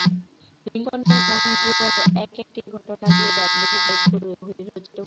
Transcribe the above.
লিঙ্কনের মহান জীবনের এক-একটি ঘটনা লইয়া বহু গল্প রচিত হইয়াছে।